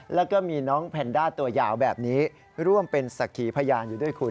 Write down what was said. แล้วก็มีน้องแพนด้าตัวยาวแบบนี้ร่วมเป็นสักขีพยานอยู่ด้วยคุณ